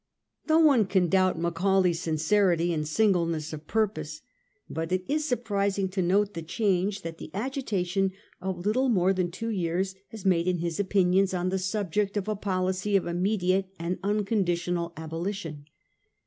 No one can doubt Macaulay's sincerity and singleness of purpose. But it is surprising to note the change that the agitation of little more than two years has made in his opinions on the subject of a policy of immediate and unconditional abolition.